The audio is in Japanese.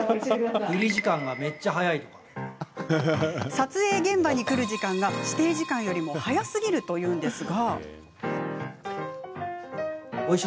撮影現場に来る時間が指定時間より早すぎるというのですが。